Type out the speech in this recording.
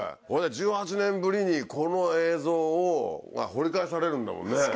ほいで１８年ぶりにこの映像が掘り返されるんだもんね。